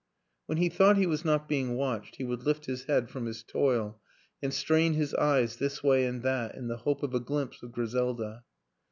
When he thought he was not being watched he would lift his head from his toil and strain his eyes this way and that in the hope of a glimpse of Griselda.